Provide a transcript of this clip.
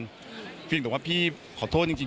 พี่ถึงตอบว่าพี่ขอโทษจริง